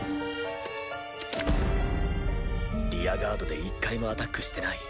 リアガードで１回もアタックしてない。